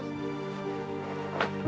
terima kasih war